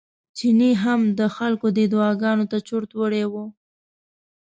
چيني هم د خلکو دې دعاګانو ته چورت وړی و.